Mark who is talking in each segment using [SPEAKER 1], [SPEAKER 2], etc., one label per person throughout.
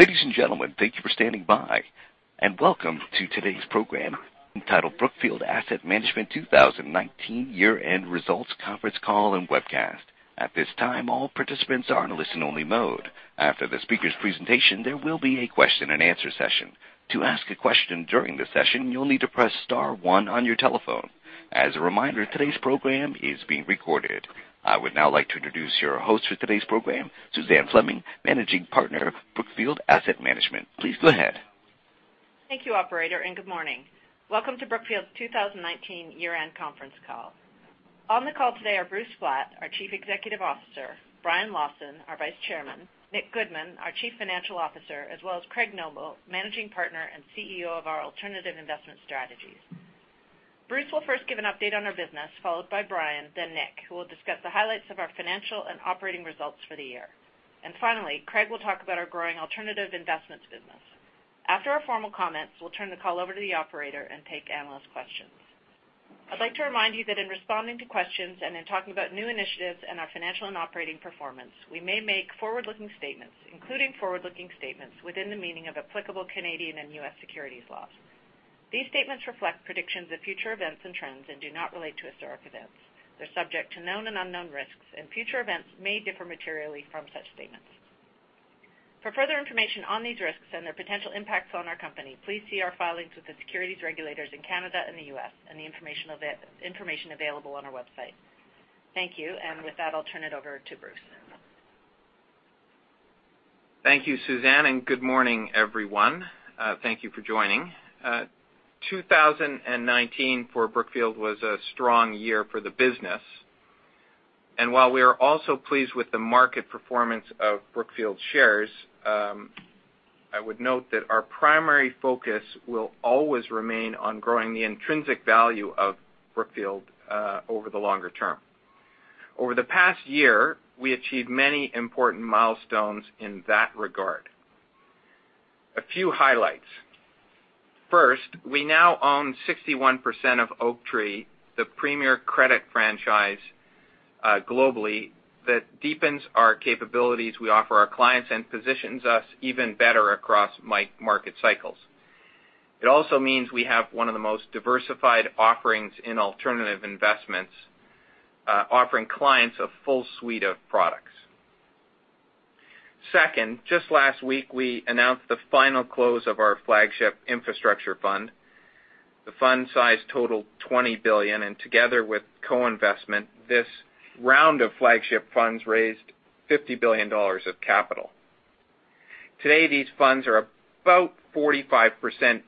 [SPEAKER 1] Ladies and gentlemen, thank you for standing by, and welcome to today's program, entitled Brookfield Asset Management 2019 Year-End Results Conference Call and Webcast. At this time, all participants are in listen only mode. After the speaker's presentation, there will be a question and answer session. To ask a question during the session, you'll need to press star one on your telephone. As a reminder, today's program is being recorded. I would now like to introduce your host for today's program, Suzanne Fleming, Managing Partner, Brookfield Asset Management. Please go ahead.
[SPEAKER 2] Thank you, operator, and good morning. Welcome to Brookfield's 2019 year-end conference call. On the call today are Bruce Flatt, our Chief Executive Officer, Brian Lawson, our Vice Chairman, Nick Goodman, our Chief Financial Officer, as well as Craig Noble, Managing Partner and CEO of our Alternative Investment Strategies. Bruce will first give an update on our business, followed by Brian, then Nick, who will discuss the highlights of our financial and operating results for the year. Finally, Craig will talk about our growing alternative investments business. After our formal comments, we'll turn the call over to the operator and take analyst questions. I'd like to remind you that in responding to questions and in talking about new initiatives and our financial and operating performance, we may make forward-looking statements, including forward-looking statements within the meaning of applicable Canadian and U.S. securities laws. These statements reflect predictions of future events and trends and do not relate to historic events. They're subject to known and unknown risks, and future events may differ materially from such statements. For further information on these risks and their potential impacts on our company, please see our filings with the securities regulators in Canada and the U.S., and the information available on our website. Thank you. With that, I'll turn it over to Bruce.
[SPEAKER 3] Thank you, Suzanne, and good morning, everyone. Thank you for joining. 2019 for Brookfield was a strong year for the business. While we are also pleased with the market performance of Brookfield shares, I would note that our primary focus will always remain on growing the intrinsic value of Brookfield, over the longer term. Over the past year, we achieved many important milestones in that regard. A few highlights. First, we now own 61% of Oaktree, the premier credit franchise globally that deepens our capabilities we offer our clients and positions us even better across market cycles. It also means we have one of the most diversified offerings in alternative investments, offering clients a full suite of products. Second, just last week, we announced the final close of our flagship infrastructure fund. The fund size totaled $20 billion. Together with co-investment, this round of flagship funds raised $50 billion of capital. Today, these funds are about 45%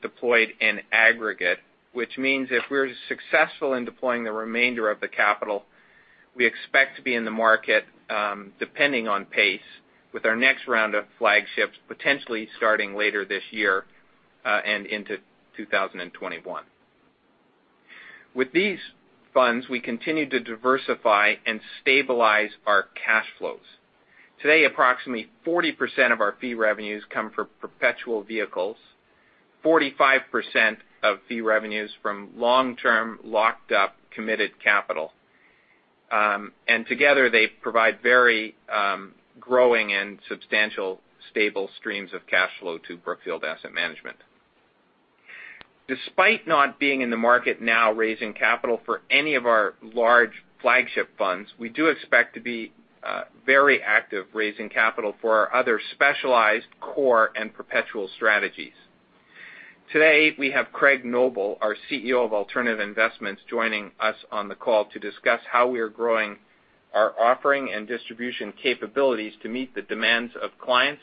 [SPEAKER 3] deployed in aggregate, which means if we're successful in deploying the remainder of the capital, we expect to be in the market, depending on pace, with our next round of flagships potentially starting later this year, and into 2021. With these funds, we continue to diversify and stabilize our cash flows. Today, approximately 40% of our fee revenues come from perpetual vehicles, 45% of fee revenues from long-term, locked-up, committed capital. Together, they provide very growing and substantial stable streams of cash flow to Brookfield Asset Management. Despite not being in the market now raising capital for any of our large flagship funds, we do expect to be very active raising capital for our other specialized core and perpetual strategies. Today, we have Craig Noble, our CEO of Alternative Investments, joining us on the call to discuss how we are growing our offering and distribution capabilities to meet the demands of clients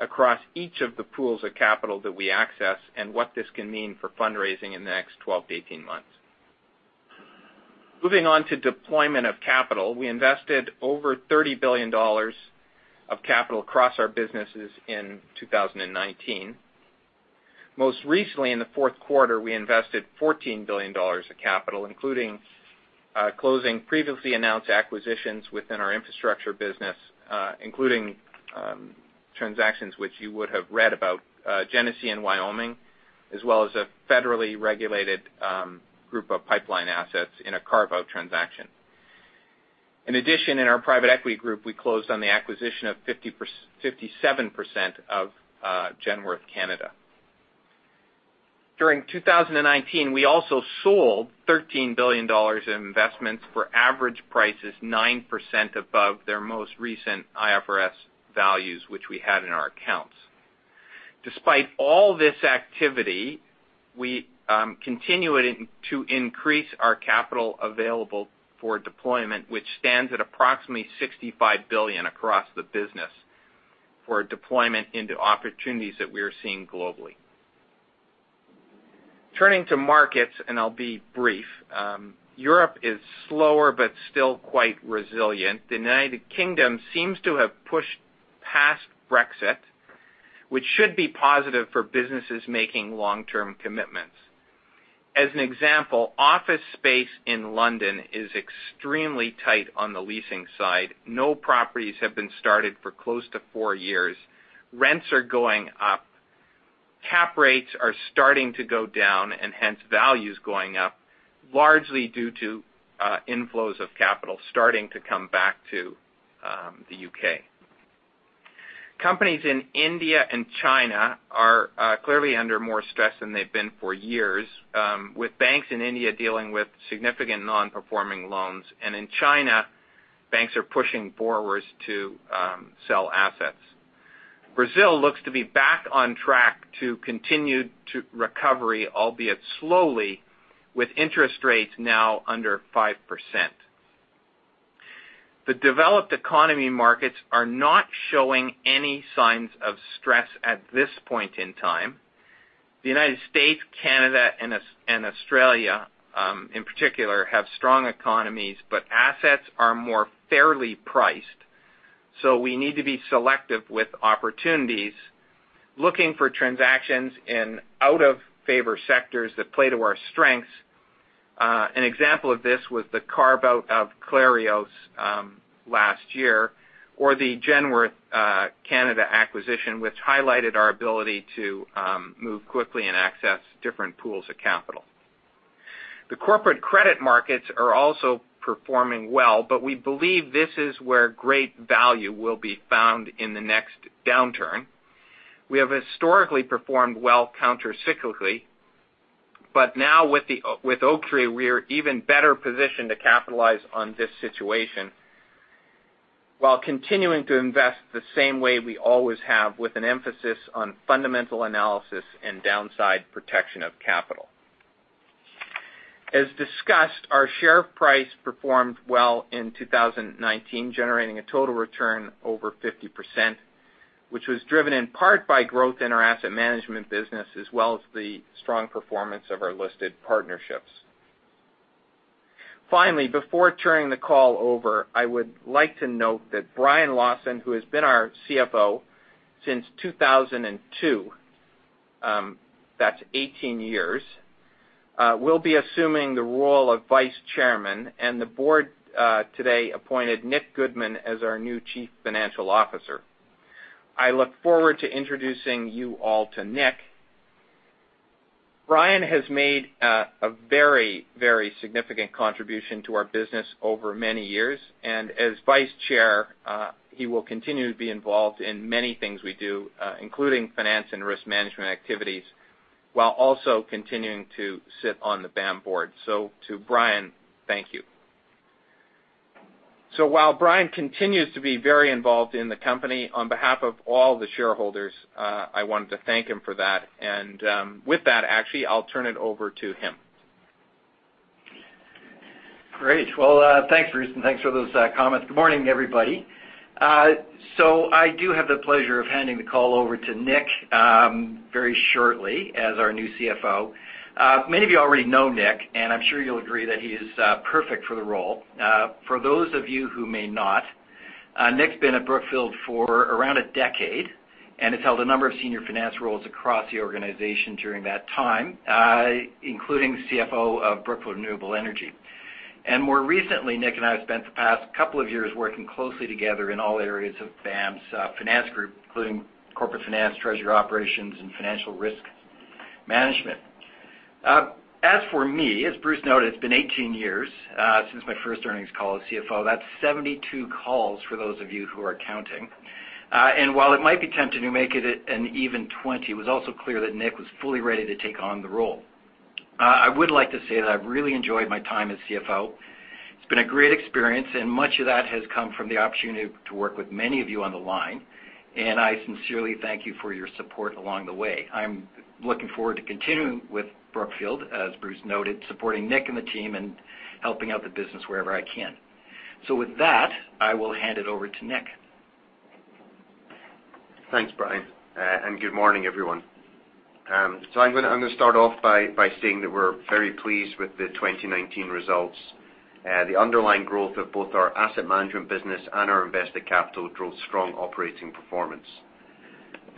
[SPEAKER 3] across each of the pools of capital that we access, and what this can mean for fundraising in the next 12-18 months. Moving on to deployment of capital. We invested over $30 billion of capital across our businesses in 2019. Most recently, in the fourth quarter, we invested $14 billion of capital, including closing previously announced acquisitions within our infrastructure business, including transactions which you would have read about, Genesee & Wyoming, as well as a federally regulated group of pipeline assets in a carve-out transaction. In addition, in our private equity group, we closed on the acquisition of 57% of Genworth Canada. During 2019, we also sold $13 billion in investments for average prices 9% above their most recent IFRS values, which we had in our accounts. Despite all this activity, we continued to increase our capital available for deployment, which stands at approximately $65 billion across the business for deployment into opportunities that we are seeing globally. Turning to markets, I'll be brief. Europe is slower, still quite resilient. The United Kingdom seems to have pushed past Brexit, which should be positive for businesses making long-term commitments. As an example, office space in London is extremely tight on the leasing side. No properties have been started for close to four years. Rents are going up. Cap rates are starting to go down and hence values going up largely due to inflows of capital starting to come back to the U.K. Companies in India and China are clearly under more stress than they've been for years, with banks in India dealing with significant non-performing loans. In China, banks are pushing forwards to sell assets. Brazil looks to be back on track to continued recovery, albeit slowly, with interest rates now under 5%. The developed economy markets are not showing any signs of stress at this point in time. The United States, Canada, and Australia, in particular, have strong economies, but assets are more fairly priced. We need to be selective with opportunities, looking for transactions in out-of-favor sectors that play to our strengths. An example of this was the carve-out of Clarios last year, or the Genworth Canada acquisition, which highlighted our ability to move quickly and access different pools of capital. The corporate credit markets are also performing well, but we believe this is where great value will be found in the next downturn. We have historically performed well countercyclically, but now with Oaktree, we are even better positioned to capitalize on this situation while continuing to invest the same way we always have, with an emphasis on fundamental analysis and downside protection of capital. As discussed, our share price performed well in 2019, generating a total return over 50%, which was driven in part by growth in our Asset Management business, as well as the strong performance of our listed partnerships. Before turning the call over, I would like to note that Brian Lawson, who has been our CFO since 2002, that's 18 years, will be assuming the role of Vice Chairman, and the board today appointed Nick Goodman as our new Chief Financial Officer. I look forward to introducing you all to Nick. Brian has made a very, very significant contribution to our business over many years. As vice chair, he will continue to be involved in many things we do, including finance and risk management activities, while also continuing to sit on the BAM board. To Brian, thank you. While Brian continues to be very involved in the company, on behalf of all the shareholders, I wanted to thank him for that. With that, actually, I'll turn it over to him.
[SPEAKER 4] Great. Well, thanks, Bruce, and thanks for those comments. Good morning, everybody. I do have the pleasure of handing the call over to Nick very shortly as our new CFO. Many of you already know Nick, and I'm sure you'll agree that he is perfect for the role. For those of you who may not, Nick's been at Brookfield for around a decade and has held a number of senior finance roles across the organization during that time, including CFO of Brookfield Renewable Energy. More recently, Nick and I have spent the past couple of years working closely together in all areas of BAM's finance group, including corporate finance, treasury operations, and financial risk management. As for me, as Bruce noted, it's been 18 years since my first earnings call as CFO. That's 72 calls for those of you who are counting. While it might be tempting to make it an even 20, it was also clear that Nick was fully ready to take on the role. I would like to say that I've really enjoyed my time as CFO. It's been a great experience, and much of that has come from the opportunity to work with many of you on the line, and I sincerely thank you for your support along the way. I'm looking forward to continuing with Brookfield, as Bruce noted, supporting Nick and the team, and helping out the business wherever I can. With that, I will hand it over to Nick.
[SPEAKER 5] Thanks, Brian, and good morning, everyone. I'm going to start off by saying that we're very pleased with the 2019 results. The underlying growth of both our Asset Management business and our Invested Capital drove strong operating performance.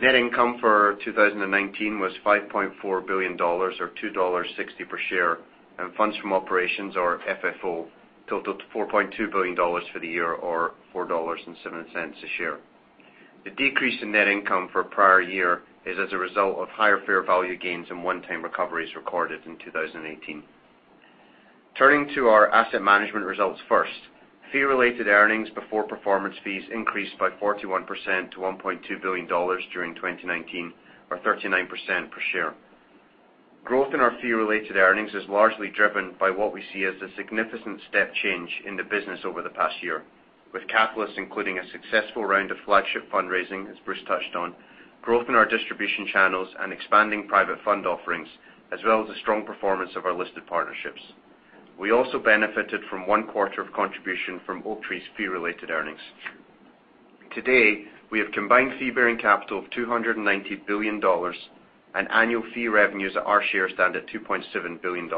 [SPEAKER 5] Net income for 2019 was $5.4 billion, or $2.60 per share, and funds from operations, or FFO, totaled to $4.2 billion for the year, or $4.07 a share. The decrease in net income for prior year is as a result of higher fair value gains and one-time recoveries recorded in 2018. Turning to our Asset Management results first. Fee-related earnings before performance fees increased by 41% to $1.2 billion during 2019, or 39% per share. Growth in our fee-related earnings is largely driven by what we see as a significant step change in the business over the past year with catalysts including a successful round of flagship fundraising, as Bruce touched on, growth in our distribution channels, and expanding private fund offerings, as well as the strong performance of our listed partnerships. We also benefited from one quarter of contribution from Oaktree's fee-related earnings. Today, we have combined fee-bearing capital of $290 billion and annual fee revenues at our share stand at $2.7 billion.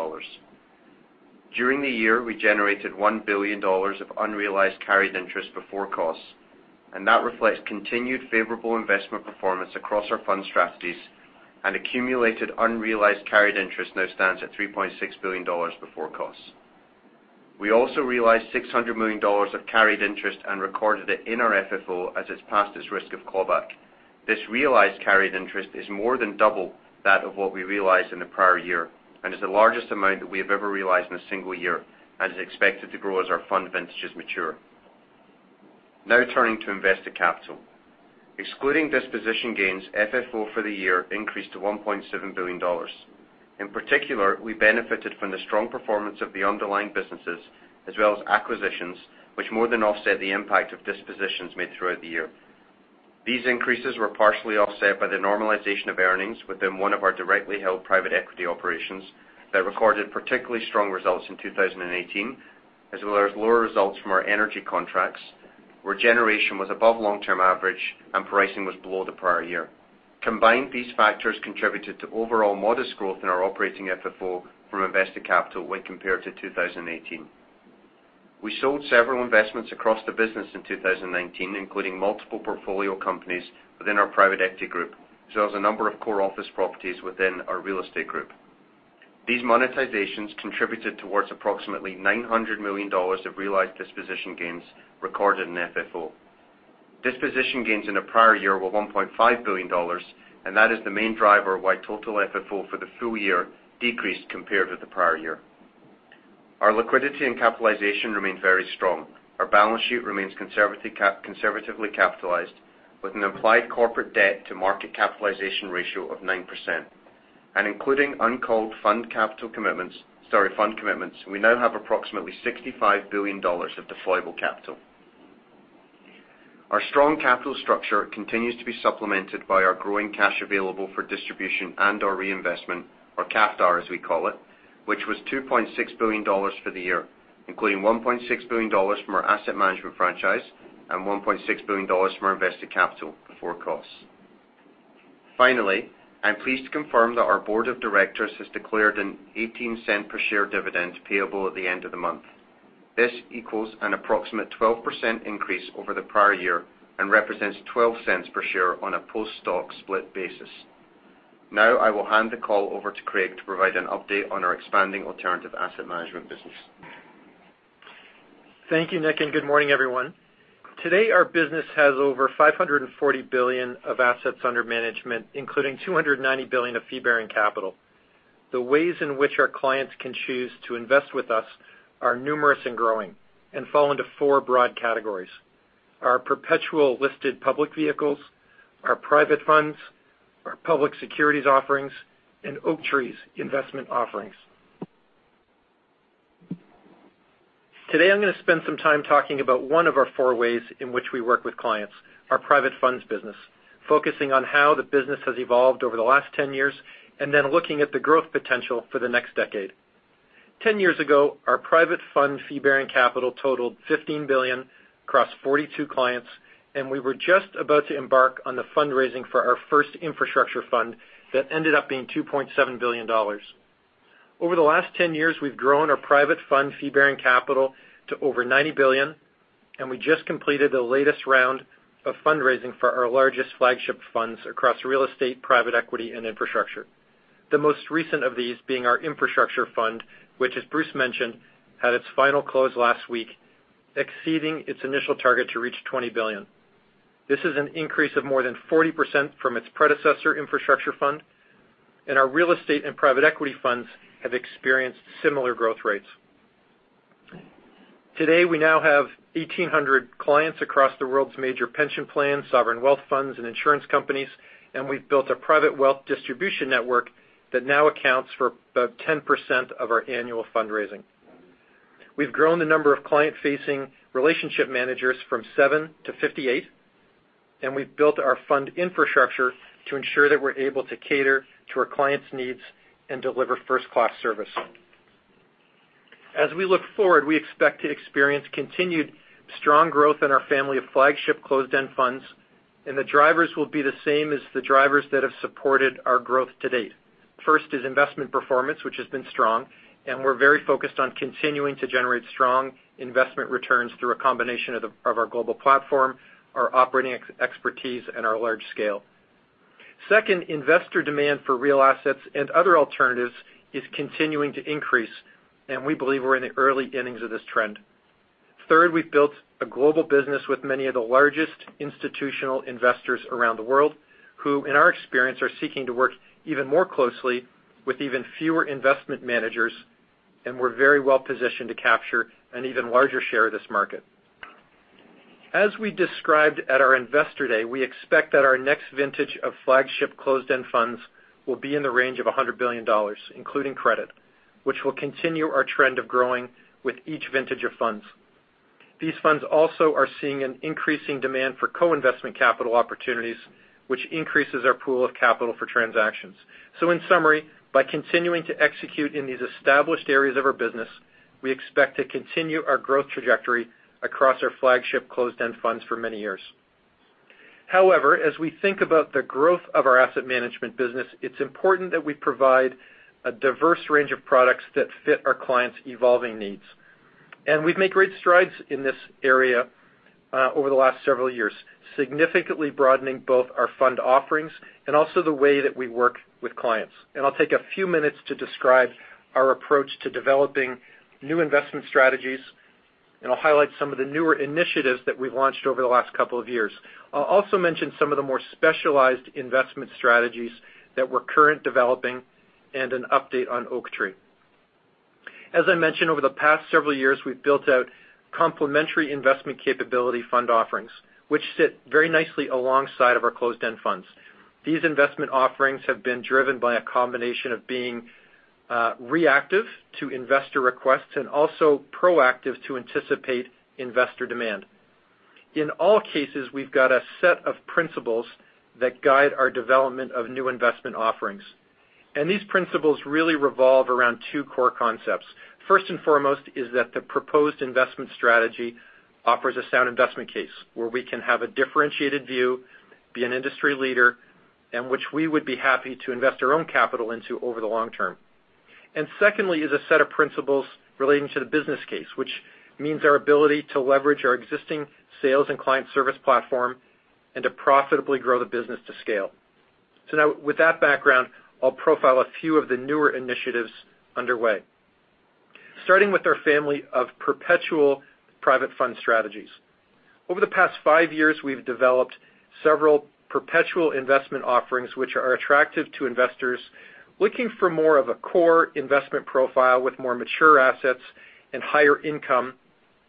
[SPEAKER 5] During the year, we generated $1 billion of unrealized carried interest before costs. That reflects continued favorable investment performance across our fund strategies. Accumulated unrealized carried interest now stands at $3.6 billion before costs. We also realized $600 million of carried interest and recorded it in our FFO as it's passed its risk of callback. This realized carried interest is more than double that of what we realized in the prior year, and is the largest amount that we have ever realized in a single year, and is expected to grow as our fund vintages mature. Turning to Invested Capital. Excluding disposition gains, FFO for the year increased to $1.7 billion. In particular, we benefited from the strong performance of the underlying businesses as well as acquisitions, which more than offset the impact of dispositions made throughout the year. These increases were partially offset by the normalization of earnings within one of our directly held private equity operations that recorded particularly strong results in 2018, as well as lower results from our energy contracts, where generation was above long-term average and pricing was below the prior year. Combined, these factors contributed to overall modest growth in our operating FFO from invested capital when compared to 2018. We sold several investments across the business in 2019, including multiple portfolio companies within our private equity group, as well as a number of core office properties within our real estate group. These monetizations contributed towards approximately $900 million of realized disposition gains recorded in FFO. Disposition gains in the prior year were $1.5 billion. That is the main driver why total FFO for the full year decreased compared with the prior year. Our liquidity and capitalization remain very strong. Our balance sheet remains conservatively capitalized with an implied corporate debt to market capitalization ratio of 9%. Including uncalled fund commitments, we now have approximately $65 billion of deployable capital. Our strong capital structure continues to be supplemented by our growing cash available for distribution and/or reinvestment, or CAFDAR, as we call it, which was $2.6 billion for the year, including $1.6 billion from our Asset Management franchise and $1.6 billion from our Invested Capital before costs. I'm pleased to confirm that our board of directors has declared an $0.18 per share dividend payable at the end of the month. This equals an approximate 12% increase over the prior year and represents $0.12 per share on a post-stock split basis. I will hand the call over to Craig to provide an update on our expanding alternative Asset Management business.
[SPEAKER 6] Thank you, Nick, and good morning, everyone. Today, our business has over $540 billion of assets under management, including $290 billion of fee-bearing capital. The ways in which our clients can choose to invest with us are numerous and growing and fall into four broad categories. Our perpetual listed public vehicles, our private funds, our public securities offerings, and Oaktree's investment offerings. Today, I'm going to spend some time talking about one of our four ways in which we work with clients, our private funds business. Focusing on how the business has evolved over the last 10 years, and then looking at the growth potential for the next decade. Ten years ago, our private fund fee-bearing capital totaled $15 billion across 42 clients, and we were just about to embark on the fundraising for our first infrastructure fund that ended up being $2.7 billion. Over the last 10 years, we've grown our private fund fee-bearing capital to over $90 billion, and we just completed the latest round of fundraising for our largest flagship funds across real estate, private equity, and infrastructure. The most recent of these being our infrastructure fund, which, as Bruce mentioned, had its final close last week, exceeding its initial target to reach $20 billion. This is an increase of more than 40% from its predecessor infrastructure fund, and our real estate and private equity funds have experienced similar growth rates. Today, we now have 1,800 clients across the world's major pension plans, sovereign wealth funds, and insurance companies, and we've built a private wealth distribution network that now accounts for about 10% of our annual fundraising. We've grown the number of client-facing relationship managers from seven to 58, and we've built our fund infrastructure to ensure that we're able to cater to our clients' needs and deliver first-class service. As we look forward, we expect to experience continued strong growth in our family of flagship closed-end funds, and the drivers will be the same as the drivers that have supported our growth to date. First is investment performance, which has been strong, and we're very focused on continuing to generate strong investment returns through a combination of our global platform, our operating expertise, and our large scale. Second, investor demand for real assets and other alternatives is continuing to increase, and we believe we're in the early innings of this trend. Third, we've built a global business with many of the largest institutional investors around the world who, in our experience, are seeking to work even more closely with even fewer investment managers, and we're very well-positioned to capture an even larger share of this market. As we described at our Investor Day, we expect that our next vintage of flagship closed-end funds will be in the range of $100 billion, including credit, which will continue our trend of growing with each vintage of funds. These funds also are seeing an increasing demand for co-investment capital opportunities, which increases our pool of capital for transactions. In summary, by continuing to execute in these established areas of our business, we expect to continue our growth trajectory across our flagship closed-end funds for many years. However, as we think about the growth of our Asset Management business, it's important that we provide a diverse range of products that fit our clients' evolving needs. We've made great strides in this area. Over the last several years, significantly broadening both our fund offerings and also the way that we work with clients. I'll take a few minutes to describe our approach to developing new investment strategies, and I'll highlight some of the newer initiatives that we've launched over the last couple of years. I'll also mention some of the more specialized investment strategies that we're currently developing and an update on Oaktree. As I mentioned, over the past several years, we've built out complementary investment capability fund offerings, which sit very nicely alongside our closed-end funds. These investment offerings have been driven by a combination of being reactive to investor requests and also proactive to anticipate investor demand. In all cases, we've got a set of principles that guide our development of new investment offerings. These principles really revolve around two core concepts. First and foremost is that the proposed investment strategy offers a sound investment case where we can have a differentiated view, be an industry leader, and which we would be happy to invest our own capital into over the long term. Secondly is a set of principles relating to the business case, which means our ability to leverage our existing sales and client service platform and to profitably grow the business to scale. Now, with that background, I'll profile a few of the newer initiatives underway. Starting with our family of perpetual private fund strategies. Over the past five years, we've developed several perpetual investment offerings which are attractive to investors looking for more of a core investment profile with more mature assets and higher income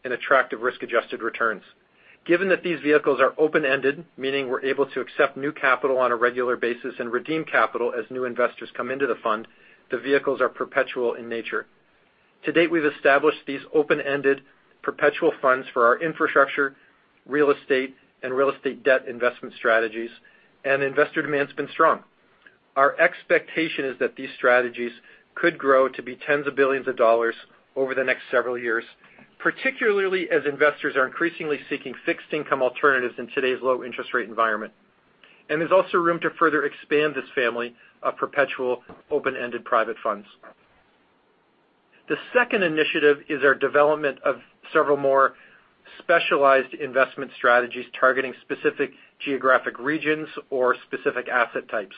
[SPEAKER 6] and attractive risk-adjusted returns. Given that these vehicles are open-ended, meaning we're able to accept new capital on a regular basis and redeem capital as new investors come into the fund, the vehicles are perpetual in nature. To date, we've established these open-ended perpetual funds for our infrastructure, real estate, and real estate debt investment strategies. Investor demand's been strong. Our expectation is that these strategies could grow to be tens of billions of dollars over the next several years, particularly as investors are increasingly seeking fixed income alternatives in today's low interest rate environment. There's also room to further expand this family of perpetual open-ended private funds. The second initiative is our development of several more specialized investment strategies targeting specific geographic regions or specific asset types.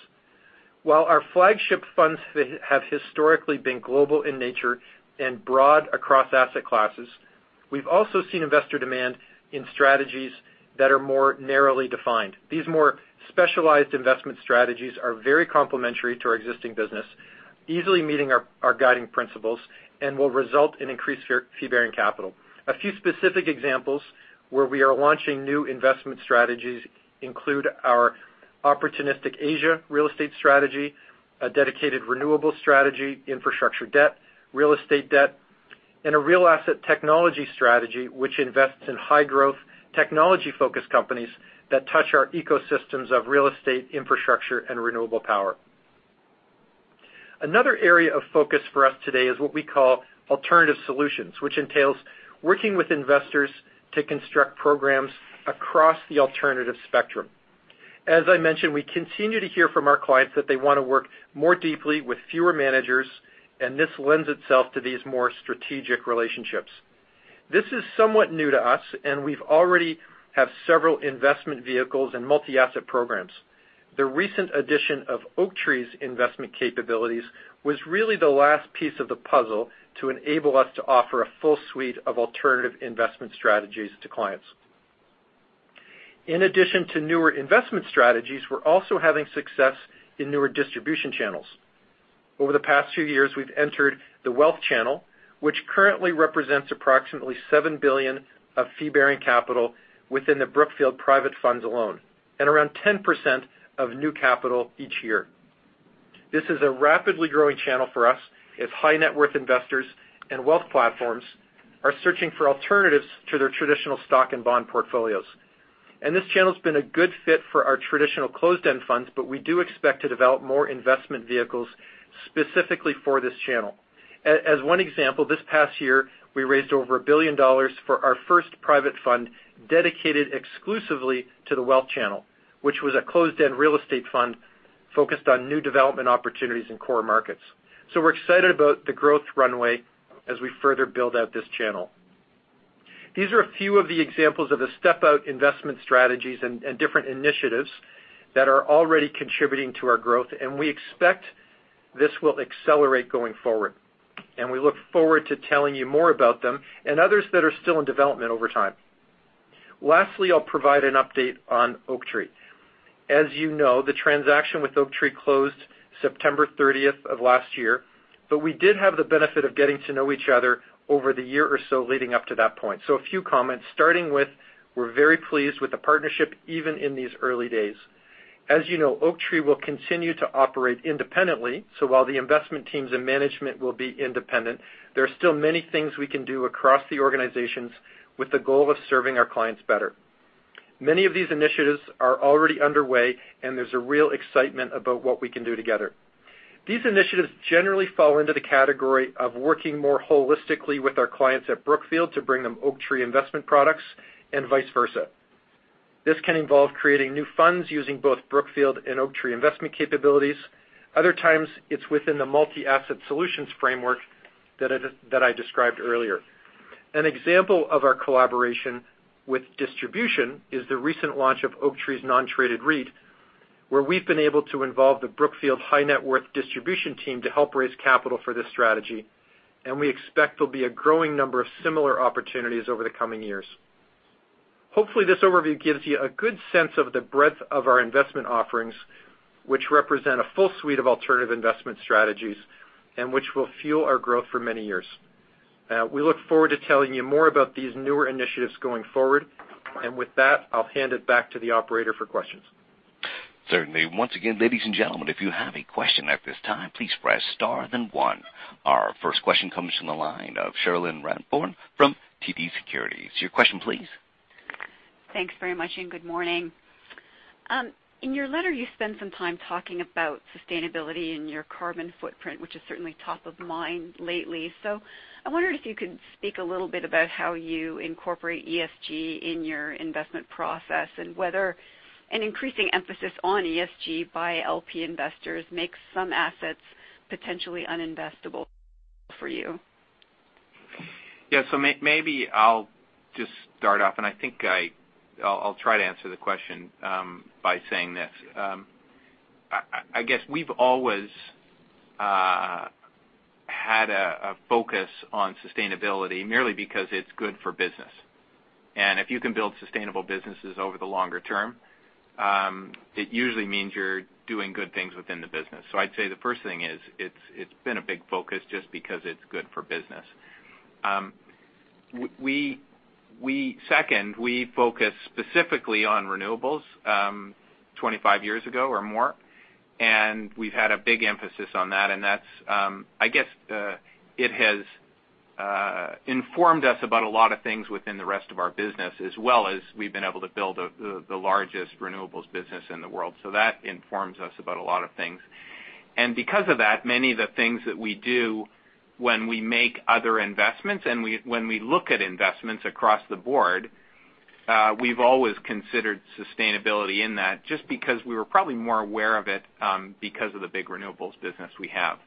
[SPEAKER 6] While our flagship funds have historically been global in nature and broad across asset classes, we've also seen investor demand in strategies that are more narrowly defined. These more specialized investment strategies are very complementary to our existing business, easily meeting our guiding principles, and will result in increased fee-bearing capital. A few specific examples where we are launching new investment strategies include our opportunistic Asia real estate strategy, a dedicated renewable strategy, infrastructure debt, real estate debt, and a real asset technology strategy, which invests in high-growth technology-focused companies that touch our ecosystems of real estate, infrastructure, and renewable power. Another area of focus for us today is what we call alternative solutions, which entails working with investors to construct programs across the alternative spectrum. As I mentioned, we continue to hear from our clients that they want to work more deeply with fewer managers, and this lends itself to these more strategic relationships. This is somewhat new to us, and we've already have several investment vehicles and multi-asset programs. The recent addition of Oaktree's investment capabilities was really the last piece of the puzzle to enable us to offer a full suite of alternative investment strategies to clients. In addition to newer investment strategies, we're also having success in newer distribution channels. Over the past few years, we've entered the wealth channel, which currently represents approximately $7 billion of fee-bearing capital within the Brookfield private funds alone and around 10% of new capital each year. This is a rapidly growing channel for us as high-net-worth investors and wealth platforms are searching for alternatives to their traditional stock and bond portfolios. This channel's been a good fit for our traditional closed-end funds, but we do expect to develop more investment vehicles specifically for this channel. As one example, this past year, we raised over a billion dollars for our first private fund dedicated exclusively to the wealth channel, which was a closed-end real estate fund focused on new development opportunities in core markets. We're excited about the growth runway as we further build out this channel. These are a few of the examples of the step-out investment strategies and different initiatives that are already contributing to our growth, and we expect this will accelerate going forward. We look forward to telling you more about them and others that are still in development over time. Lastly, I'll provide an update on Oaktree. As you know, the transaction with Oaktree closed September 30th of last year. We did have the benefit of getting to know each other over the year or so leading up to that point. A few comments, starting with we're very pleased with the partnership, even in these early days. As you know, Oaktree will continue to operate independently, so while the investment teams and management will be independent, there are still many things we can do across the organizations with the goal of serving our clients better. Many of these initiatives are already underway, and there's a real excitement about what we can do together. These initiatives generally fall into the category of working more holistically with our clients at Brookfield to bring them Oaktree investment products and vice versa. This can involve creating new funds using both Brookfield and Oaktree investment capabilities. Other times, it's within the multi-asset solutions framework that I described earlier. An example of our collaboration with distribution is the recent launch of Oaktree's non-traded REIT, where we've been able to involve the Brookfield high net worth distribution team to help raise capital for this strategy, and we expect there'll be a growing number of similar opportunities over the coming years. Hopefully, this overview gives you a good sense of the breadth of our investment offerings, which represent a full suite of alternative investment strategies and which will fuel our growth for many years. We look forward to telling you more about these newer initiatives going forward. With that, I'll hand it back to the operator for questions.
[SPEAKER 1] Certainly. Once again, ladies and gentlemen, if you have a question at this time, please press star then one. Our first question comes from the line of Cherilyn Radbourne from TD Securities. Your question, please.
[SPEAKER 7] Thanks very much, and good morning. In your letter, you spent some time talking about sustainability and your carbon footprint, which is certainly top of mind lately. I wondered if you could speak a little bit about how you incorporate ESG in your investment process and whether an increasing emphasis on ESG by LP investors makes some assets potentially uninvestable for you.
[SPEAKER 3] Yeah. Maybe I'll just start off, and I think I'll try to answer the question by saying this. I guess we've always had a focus on sustainability merely because it's good for business. If you can build sustainable businesses over the longer term, it usually means you're doing good things within the business. I'd say the first thing is, it's been a big focus just because it's good for business. Second, we focused specifically on renewables 25 years ago or more, and we've had a big emphasis on that. I guess it has informed us about a lot of things within the rest of our business, as well as we've been able to build the largest renewables business in the world. That informs us about a lot of things. Because of that, many of the things that we do when we make other investments and when we look at investments across the board, we've always considered sustainability in that just because we were probably more aware of it because of the big renewables business we have.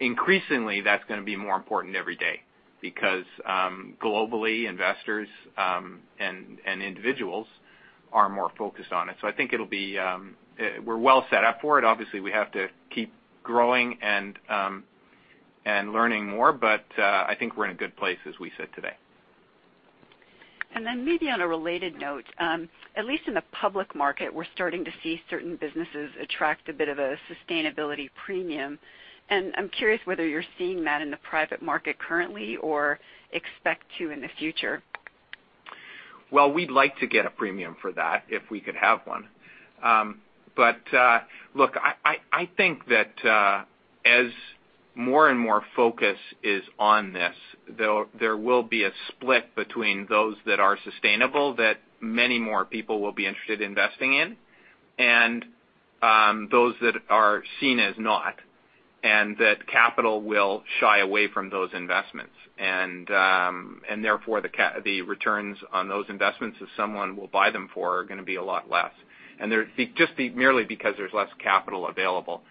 [SPEAKER 3] Increasingly, that's going to be more important every day because globally, investors and individuals are more focused on it. I think we're well set up for it. Obviously, we have to keep growing and learning more. I think we're in a good place, as we said today.
[SPEAKER 7] Maybe on a related note. At least in the public market, we're starting to see certain businesses attract a bit of a sustainability premium, and I'm curious whether you're seeing that in the private market currently or expect to in the future.
[SPEAKER 3] Well, we'd like to get a premium for that if we could have one. Look, I think that as more and more focus is on this, there will be a split between those that are sustainable that many more people will be interested in investing in and those that are seen as not, and that capital will shy away from those investments. Therefore, the returns on those investments that someone will buy them for are going to be a lot less. Just merely because there's less capital available.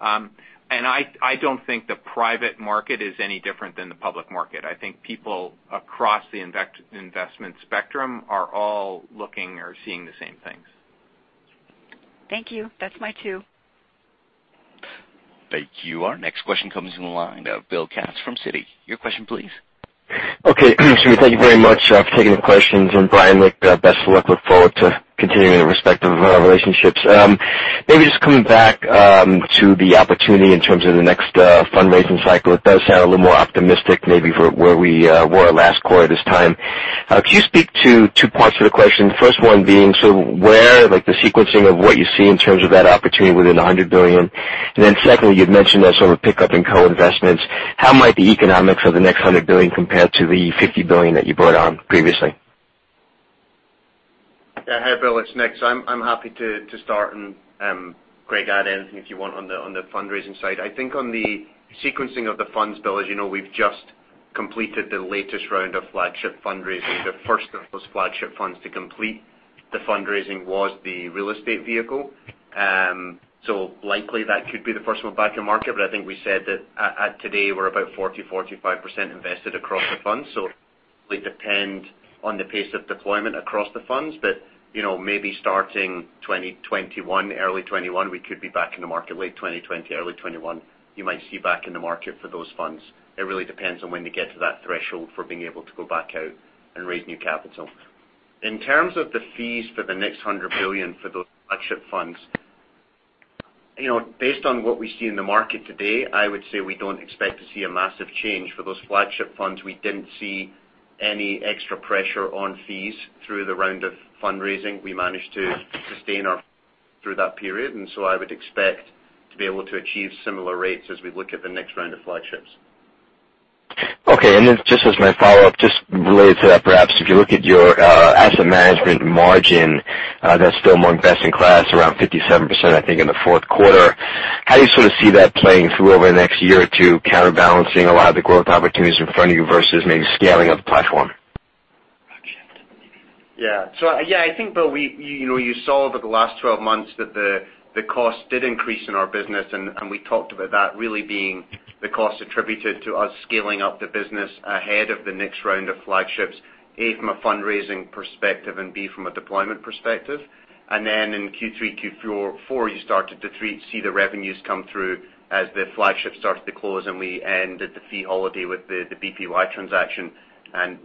[SPEAKER 3] I don't think the private market is any different than the public market. I think people across the investment spectrum are all looking or seeing the same things.
[SPEAKER 7] Thank you. That's my cue.
[SPEAKER 1] Thank you. Our next question comes from the line of Bill Katz from Citi. Your question, please.
[SPEAKER 8] Okay. Thank you very much for taking the questions. Brian, Nick, best of luck. Look forward to continuing respective relationships. Maybe just coming back to the opportunity in terms of the next fundraising cycle. It does sound a little more optimistic, maybe for where we were last quarter this time. Could you speak to two parts of the question? First one being sort of where, like the sequencing of what you see in terms of that opportunity within the $100 billion. Secondly, you'd mentioned that sort of pickup in co-investments. How might the economics of the next $100 billion compare to the $50 billion that you brought on previously?
[SPEAKER 5] Yeah. Hi, Bill. It's Nick. I'm happy to start, and Craig, add anything if you want on the fundraising side. I think on the sequencing of the funds, Bill, as you know, we've just completed the latest round of flagship fundraising. The first of those flagship funds to complete the fundraising was the real estate vehicle. Likely that could be the first one back in the market. I think we said that at today, we're about 40%-45% invested across the funds. It'll depend on the pace of deployment across the funds. Maybe starting 2021, early 2021, we could be back in the market. Late 2020, early 2021, you might see back in the market for those funds. It really depends on when they get to that threshold for being able to go back out and raise new capital. In terms of the fees for the next $100 billion for those flagship funds. Based on what we see in the market today, I would say we don't expect to see a massive change. For those flagship funds, we didn't see any extra pressure on fees through the round of fundraising. We managed to sustain our through that period. I would expect to be able to achieve similar rates as we look at the next round of flagships.
[SPEAKER 8] Okay. Just as my follow-up, just related to that, perhaps, if you look at your Asset Management margin, that's still among best in class, around 57%, I think, in the fourth quarter. How do you sort of see that playing through over the next year or two, counterbalancing a lot of the growth opportunities in front of you versus maybe scaling up the platform?
[SPEAKER 5] Yeah. I think, Bill, you saw over the last 12 months that the cost did increase in our business, and we talked about that really being the cost attributed to us scaling up the business ahead of the next round of flagships, A, from a fundraising perspective and B, from a deployment perspective. In Q3, Q4, you started to see the revenues come through as the flagships started to close, and we ended the fee holiday with the BPY transaction.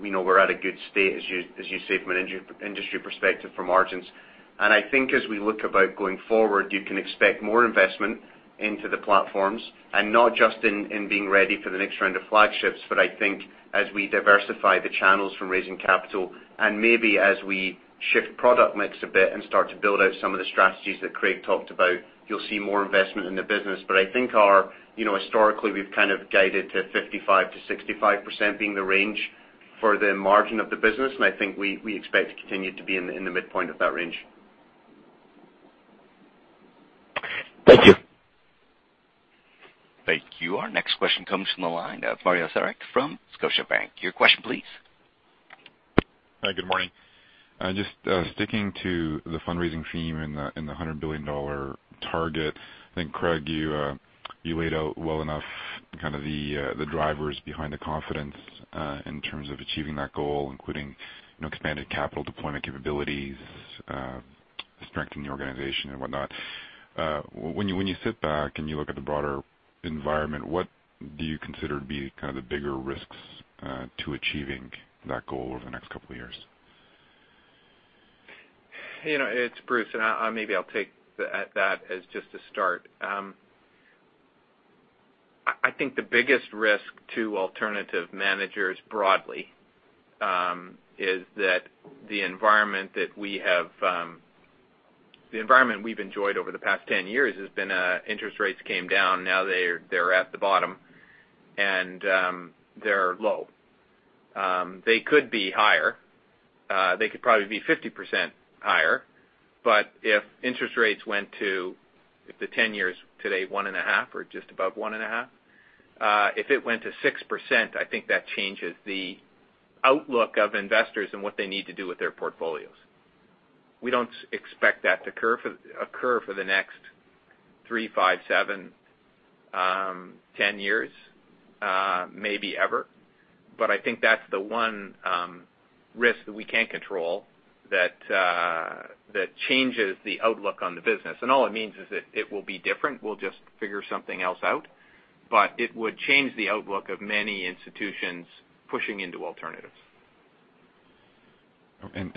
[SPEAKER 5] We know we're at a good state, as you say, from an industry perspective for margins. I think as we look about going forward, you can expect more investment into the platforms, not just in being ready for the next round of flagships, but I think as we diversify the channels from raising capital and maybe as we shift product mix a bit and start to build out some of the strategies that Craig talked about, you'll see more investment in the business. I think historically, we've kind of guided to 55%-65% being the range for the margin of the business, and I think we expect to continue to be in the midpoint of that range.
[SPEAKER 8] Thank you.
[SPEAKER 1] Thank you. Our next question comes from the line of Mario Saric from Scotiabank. Your question please.
[SPEAKER 9] Hi, good morning. Just sticking to the fundraising theme and the $100 billion target. I think, Craig, you laid out well enough the drivers behind the confidence in terms of achieving that goal, including expanded capital deployment capabilities, strength in the organization and whatnot. When you sit back and you look at the broader environment, what do you consider to be the bigger risks to achieving that goal over the next couple of years?
[SPEAKER 3] It's Bruce. Maybe I'll take that as just a start. I think the biggest risk to alternative managers broadly is that the environment we've enjoyed over the past 10 years has been interest rates came down. Now they're at the bottom, and they're low. They could be higher. They could probably be 50% higher. If interest rates went to, if the 10-years today, 1.5% or just above 1.5%. If it went to 6%, I think that changes the outlook of investors and what they need to do with their portfolios. We don't expect that to occur for the next three, five, seven, 10 years, maybe ever. I think that's the one risk that we can't control that changes the outlook on the business. All it means is that it will be different. We'll just figure something else out. It would change the outlook of many institutions pushing into alternatives.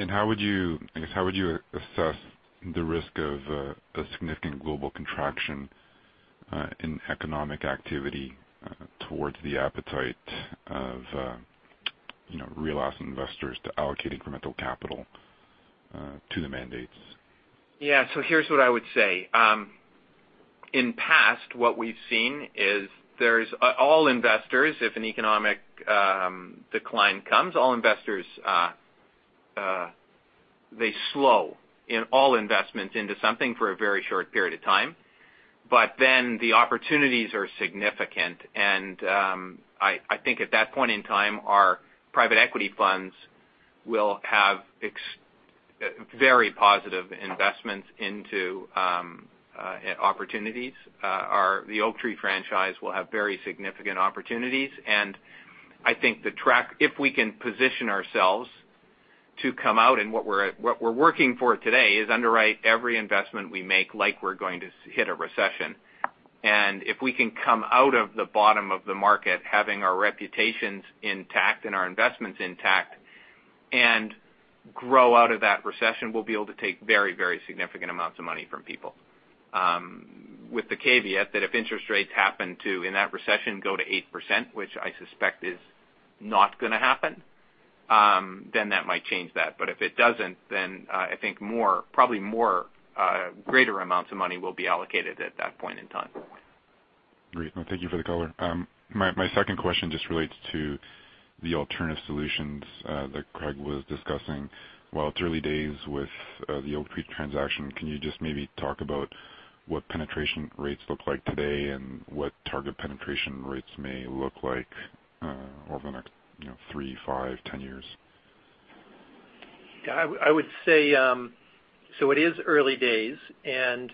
[SPEAKER 9] How would you assess the risk of a significant global contraction in economic activity towards the appetite of real asset investors to allocate incremental capital to the mandates?
[SPEAKER 3] Here's what I would say. In past, what we've seen is all investors, if an economic decline comes, all investors, they slow in all investments into something for a very short period of time. The opportunities are significant, I think at that point in time, our private equity funds will have very positive investments into opportunities. The Oaktree franchise will have very significant opportunities. I think if we can position ourselves to come out, what we're working for today is underwrite every investment we make, like we're going to hit a recession. If we can come out of the bottom of the market, having our reputations intact and our investments intact and grow out of that recession, we'll be able to take very, very significant amounts of money from people. With the caveat that if interest rates happen to, in that recession, go to 8%, which I suspect is not going to happen then that might change that. If it doesn't, then I think probably more greater amounts of money will be allocated at that point in time.
[SPEAKER 9] Great. Thank you for the color. My second question just relates to the alternative solutions that Craig was discussing. While it's early days with the Oaktree transaction, can you just maybe talk about what penetration rates look like today and what target penetration rates may look like over the next three, five, 10 years?
[SPEAKER 6] I would say, so it is early days, and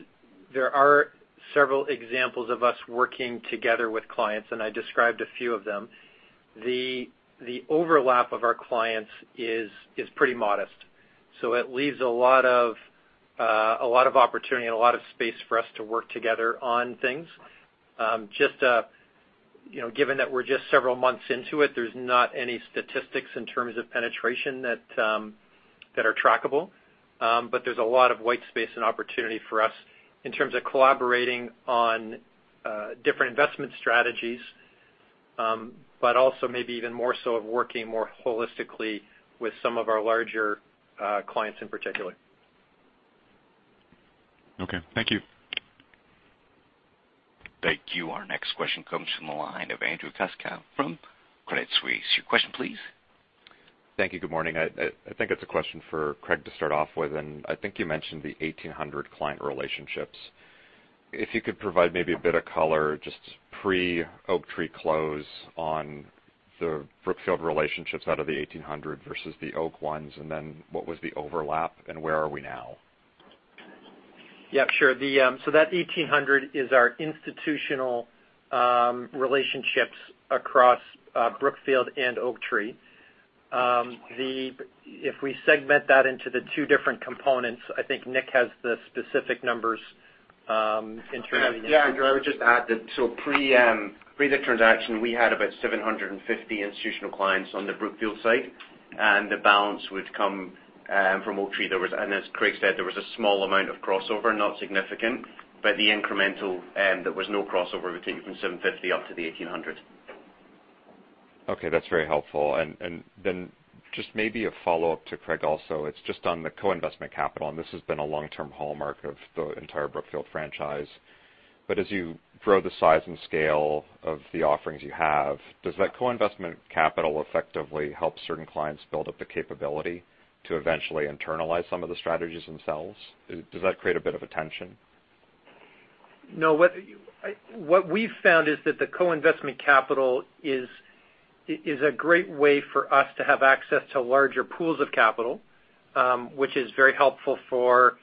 [SPEAKER 6] there are several examples of us working together with clients, and I described a few of them. The overlap of our clients is pretty modest. It leaves a lot of opportunity and a lot of space for us to work together on things. Given that we're just several months into it, there's not any statistics in terms of penetration that are trackable. There's a lot of white space and opportunity for us in terms of collaborating on different investment strategies but also maybe even more so of working more holistically with some of our larger clients in particular.
[SPEAKER 9] Okay. Thank you.
[SPEAKER 1] Thank you. Our next question comes from the line of Andrew Kuske from Credit Suisse. Your question, please.
[SPEAKER 10] Thank you. Good morning. I think it's a question for Craig to start off with, and I think you mentioned the 1,800 client relationships. If you could provide maybe a bit of color, just pre-Oaktree close on the Brookfield relationships out of the 1,800 versus the Oaktree ones, and then what was the overlap and where are we now?
[SPEAKER 6] Yeah, sure. That 1,800 is our institutional relationships across Brookfield and Oaktree. If we segment that into the two different components, I think Nick has the specific numbers internally.
[SPEAKER 5] Yeah, I would just add that pre the transaction, we had about 750 institutional clients on the Brookfield side, and the balance would come from Oaktree. As Craig said, there was a small amount of crossover, not significant, but the incremental, there was no crossover. We take it from 750 up to the 1,800.
[SPEAKER 10] Okay. That's very helpful. Just maybe a follow-up to Craig also. It's just on the co-investment capital, and this has been a long-term hallmark of the entire Brookfield franchise. As you grow the size and scale of the offerings you have, does that co-investment capital effectively help certain clients build up the capability to eventually internalize some of the strategies themselves? Does that create a bit of a tension?
[SPEAKER 6] No. What we've found is that the co-investment capital is a great way for us to have access to larger pools of capital, which is very helpful for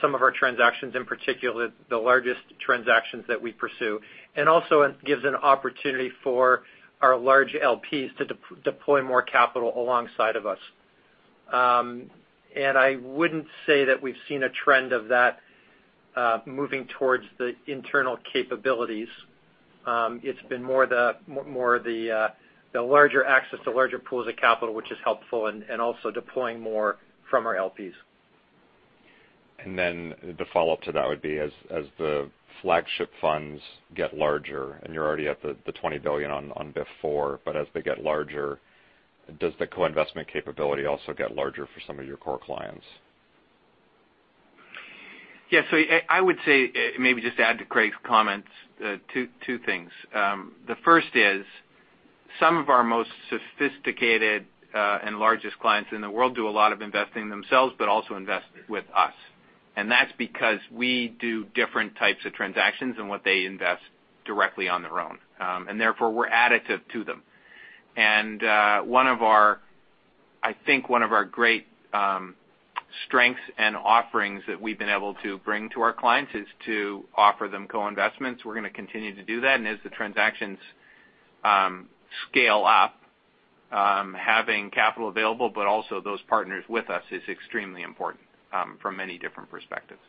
[SPEAKER 6] some of our transactions, in particular, the largest transactions that we pursue. Also, it gives an opportunity for our large LPs to deploy more capital alongside of us. I wouldn't say that we've seen a trend of that moving towards the internal capabilities. It's been more the larger access to larger pools of capital, which is helpful, and also deploying more from our LPs.
[SPEAKER 10] The follow-up to that would be as the flagship funds get larger, and you're already at the $20 billion on BIF IV, but as they get larger, does the co-investment capability also get larger for some of your core clients?
[SPEAKER 5] Yeah. I would say, maybe just add to Craig's comments, two things. The first is some of our most sophisticated and largest clients in the world do a lot of investing themselves, but also invest with us. That's because we do different types of transactions than what they invest directly on their own. Therefore, we're additive to them. I think one of our great strengths and offerings that we've been able to bring to our clients is to offer them co-investments. We're going to continue to do that. As the transactions scale up, having capital available, but also those partners with us is extremely important from many different perspectives.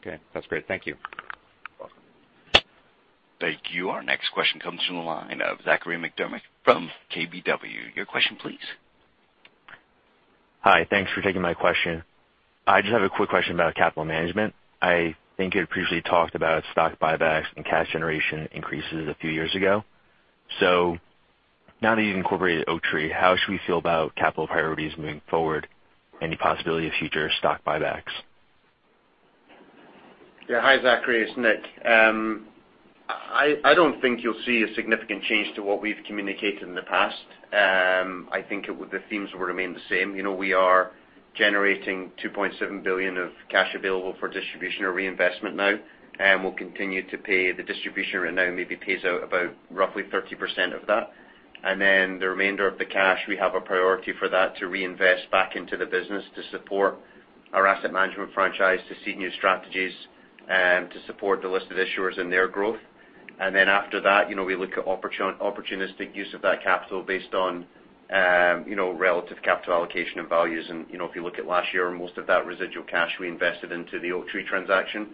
[SPEAKER 10] Okay. That's great. Thank you.
[SPEAKER 5] Welcome.
[SPEAKER 1] Thank you. Our next question comes from the line of Zachary McDermott from KBW. Your question, please.
[SPEAKER 11] Hi. Thanks for taking my question. I just have a quick question about capital management. I think you had previously talked about stock buybacks and cash generation increases a few years ago. Now that you've incorporated Oaktree, how should we feel about capital priorities moving forward? Any possibility of future stock buybacks?
[SPEAKER 5] Yeah. Hi, Zachary. It's Nick. I don't think you'll see a significant change to what we've communicated in the past. I think the themes will remain the same. We are generating $2.7 billion of cash available for distribution or reinvestment now, and we'll continue to pay the distribution right now, maybe pays out about roughly 30% of that. The remainder of the cash, we have a priority for that to reinvest back into the business to support our Asset Management franchise, to seed new strategies, to support the list of issuers and their growth. After that, we look at opportunistic use of that capital based on relative capital allocation and values. If you look at last year, most of that residual cash we invested into the Oaktree transaction.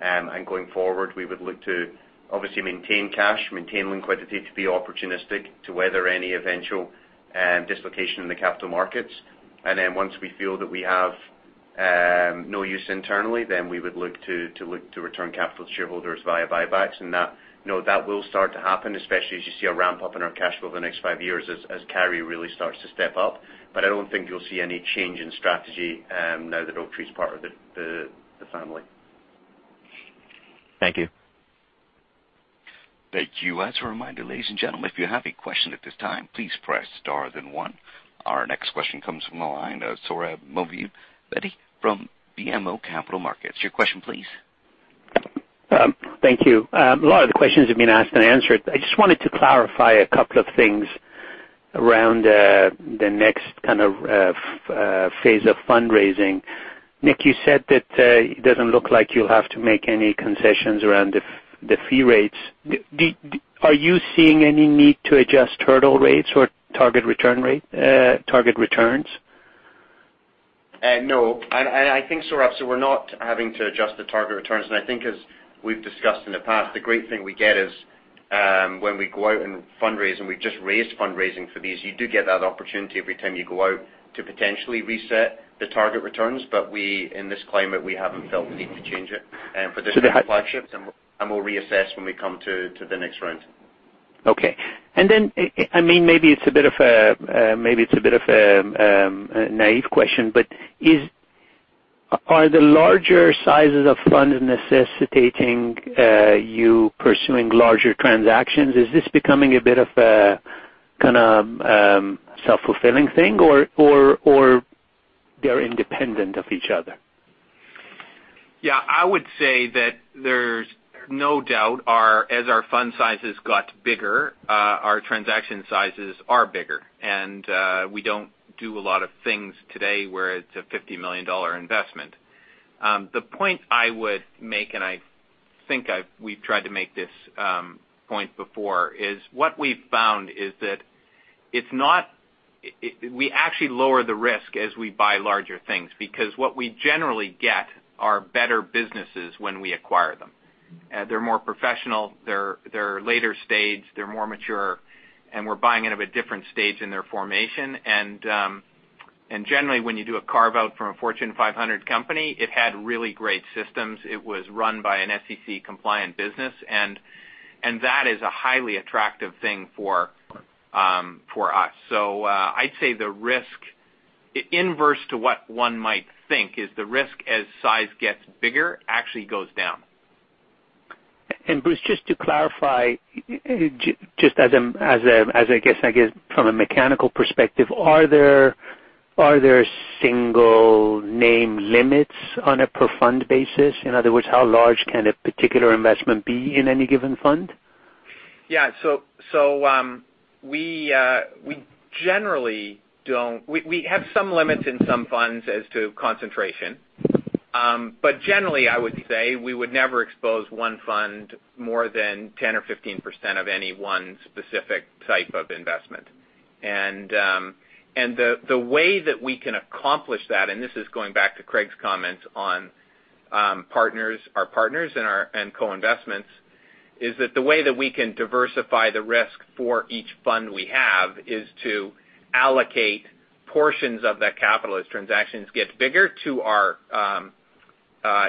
[SPEAKER 5] Going forward, we would look to obviously maintain cash, maintain liquidity, to be opportunistic to weather any eventual dislocation in the capital markets. Once we feel that we have no use internally, then we would look to return capital to shareholders via buybacks. That will start to happen, especially as you see a ramp-up in our cash over the next five years as carry really starts to step up. I don't think you'll see any change in strategy now that Oaktree is part of the family.
[SPEAKER 11] Thank you.
[SPEAKER 1] Thank you. As a reminder, ladies and gentlemen, if you have a question at this time, please press star then one. Our next question comes from the line of Sohrab Movahedi from BMO Capital Markets. Your question, please.
[SPEAKER 12] Thank you. A lot of the questions have been asked and answered. I just wanted to clarify a couple of things around the next kind of phase of fundraising. Nick, you said that it doesn't look like you'll have to make any concessions around the fee rates. Are you seeing any need to adjust hurdle rates or target returns?
[SPEAKER 5] No. I think, Sohrab, we're not having to adjust the target returns. I think as we've discussed in the past, the great thing we get is when we go out and fundraise, and we've just raised fundraising for these, you do get that opportunity every time you go out to potentially reset the target returns. We, in this climate, we haven't felt the need to change it for this set of flagships. We'll reassess when we come to the next round.
[SPEAKER 12] Okay. Maybe it's a bit of a naive question, but are the larger sizes of funds necessitating you pursuing larger transactions? Is this becoming a bit of a self-fulfilling thing, or they're independent of each other?
[SPEAKER 3] Yeah, I would say that there's no doubt, as our fund sizes got bigger, our transaction sizes are bigger. We don't do a lot of things today where it's a $50 million investment. The point I would make, and I think we've tried to make this point before, is what we've found is that we actually lower the risk as we buy larger things, because what we generally get are better businesses when we acquire them. They're more professional, they're later stage, they're more mature, and we're buying it at a different stage in their formation. Generally, when you do a carve-out from a Fortune 500 company, it had really great systems. It was run by an SEC-compliant business, and that is a highly attractive thing for us. I'd say the risk, inverse to what one might think, is the risk as size gets bigger, actually goes down.
[SPEAKER 12] Bruce, just to clarify, just as I guess from a mechanical perspective, are there single name limits on a per fund basis? In other words, how large can a particular investment be in any given fund?
[SPEAKER 3] We have some limits in some funds as to concentration. Generally, I would say we would never expose one fund more than 10% or 15% of any one specific type of investment. The way that we can accomplish that, and this is going back to Craig's comments on our partners and co-investments, is that the way that we can diversify the risk for each fund we have is to allocate portions of that capital as transactions get bigger to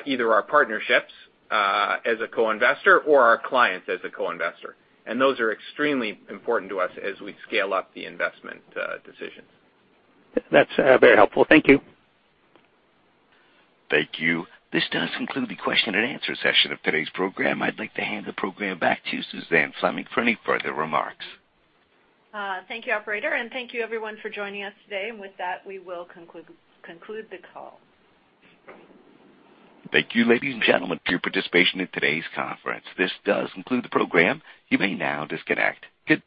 [SPEAKER 3] either our partnerships as a co-investor or our clients as a co-investor. Those are extremely important to us as we scale up the investment decisions.
[SPEAKER 12] That's very helpful. Thank you.
[SPEAKER 1] Thank you. This does conclude the question and answer session of today's program. I'd like to hand the program back to Suzanne Fleming for any further remarks.
[SPEAKER 2] Thank you, operator, and thank you everyone for joining us today. With that, we will conclude the call.
[SPEAKER 1] Thank you, ladies and gentlemen, for your participation in today's conference. This does conclude the program. You may now disconnect. Goodbye.